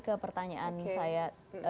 ke pertanyaan saya